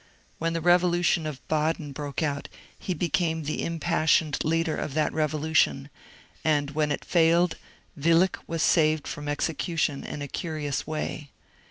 When the revolution of Baden broke out he became the impassioned leader of that revolution, and when it failed Willich was saved from execu tion in a curious way.